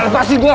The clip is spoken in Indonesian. lepasin gue pak